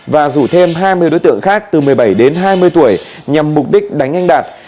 và rủ thêm hai mươi đối tượng khác từ một mươi bảy đến hai mươi tuổi nhằm mục đích đánh anh đạt